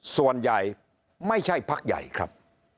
ส่วนใหญ่ไม่ใช่พักใหญ่ครับ